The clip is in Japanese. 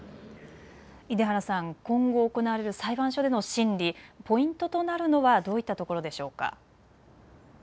出原さん、今後、行われる裁判所での審理、ポイントとなるのはどういったところでしょうか。